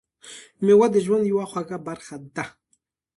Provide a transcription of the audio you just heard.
میوه د ژوند یوه خوږه برخه ده.